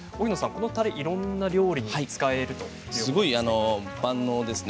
このたれは、いろいろな料理に使えるということですね。